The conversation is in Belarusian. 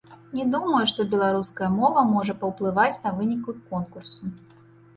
Не думаю, што беларуская мова можа паўплываць на вынікі конкурсу.